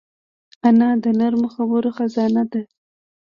انا د نرمو خبرو خزانه ده